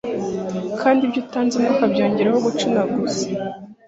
kandi ibyo utanze ntukabyongereho gucunaguza